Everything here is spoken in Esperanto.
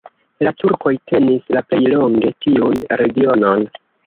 La turkoj tenis la plej longe tiun regionon.